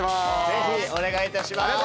ぜひお願いいたします。